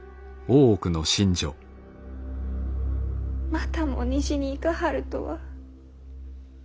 またも西に行かはるとは。